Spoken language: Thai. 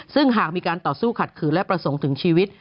ซึ่งหากมีการต่อสู้ขัดขืนและประสงค์ถึงชีวิต